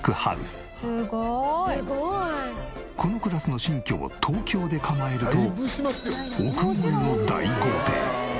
「すごい」このクラスの新居を東京で構えると億超えの大豪邸。